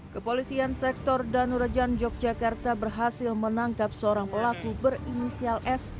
kepolisian sektor danurajan yogyakarta berhasil menangkap seorang pelaku berinisial s